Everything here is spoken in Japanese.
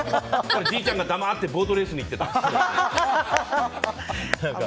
じいちゃんが黙ってボートレースに行ってた。